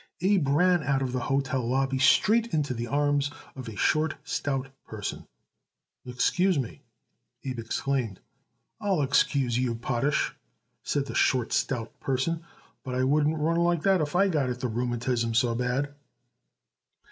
Abe ran out of the hotel lobby straight into the arms of a short, stout person. "Excuse me," Abe exclaimed. "I'll excuse you, Potash," said the short, stout person, "but I wouldn't run like that if I got it the rheumatism so bad."